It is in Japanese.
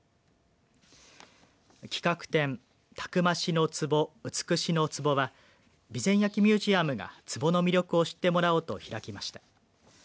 企画展、逞しの壷、美しの壷は備前焼ミュージアムがつぼの魅力を知ってもらおうと開きました。